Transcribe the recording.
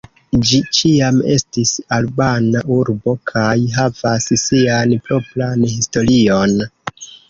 Ĝi ĉiam estis albana urbo kaj havas sian propran historion.